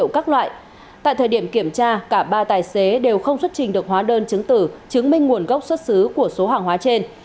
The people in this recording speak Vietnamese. các đối tượng đều không xuất trình được hóa đơn chứng tử chứng minh nguồn gốc xuất xứ của số hàng hóa trên